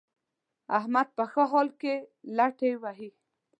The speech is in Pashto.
احمد په ښه حال کې لتې وهي.